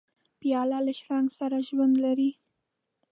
پیاله له شرنګ سره ژوند لري.